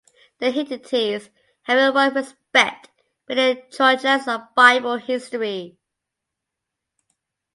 The Hittites have in one respect been the Trojans of Bible History.